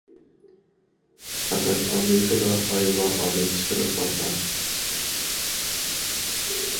پەقەت ئامېرىكىلا ئايغا ئادەم چىقىرىپ باققان.